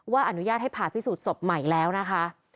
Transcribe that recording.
อนุญาตให้ผ่าพิสูจน์ศพใหม่แล้วนะคะ